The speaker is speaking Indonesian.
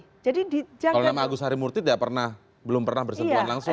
kalau namanya agus harimurti belum pernah bersentuhan langsung